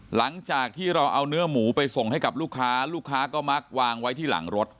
หลังจากที่เราเอาเนื้อหมูไปส่งให้กับลูกค้าลูกค้าก็มักวางไว้ที่หลังรถ